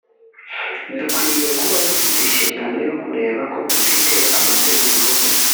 Dukwiriye kuba dufite inshingano yo kureba ko dufite amategeko